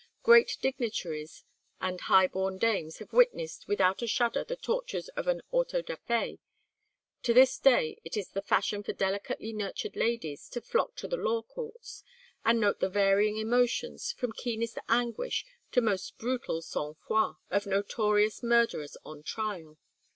Great dignitaries and high born dames have witnessed without a shudder the tortures of an auto da fé; to this day it is the fashion for delicately nurtured ladies to flock to the Law Courts, and note the varying emotions, from keenest anguish to most brutal sang froid, of notorious murderers on trial.